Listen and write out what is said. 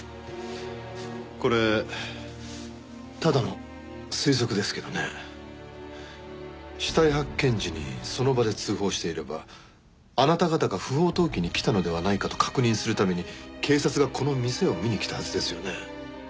これただの推測ですけどね死体発見時にその場で通報していればあなた方が不法投棄に来たのではないかと確認するために警察がこの店を見に来たはずですよね。